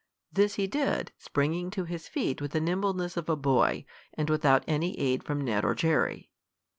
This he did, springing to his feet with the nimbleness of a boy, and without any aid from Ned or Jerry.